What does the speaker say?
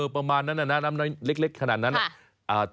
ประมาณนั้นนะน้ำน้อยเล็กขนาดนั้น